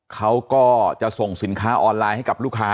เขาก็จะส่งสินค้าออนไลน์ให้กับลูกค้า